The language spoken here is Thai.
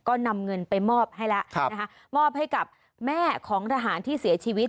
ก็นำเงินไปมอบให้แล้วนะคะมอบให้กับแม่ของทหารที่เสียชีวิต